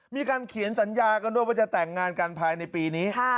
มีการเขียนสัญญากันด้วยว่าจะแต่งงานกันภายในปีนี้